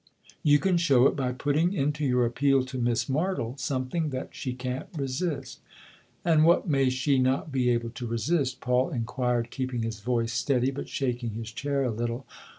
You can show it by putting into your appeal to Miss Martle something that she can't resist." " And what may she not be able to resist ?" Paul inquired, keeping his voice steady, but shaking his chair a little.